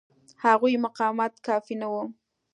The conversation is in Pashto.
د هغوی مقاومت کافي نه و.